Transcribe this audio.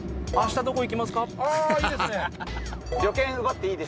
あー、いいですね。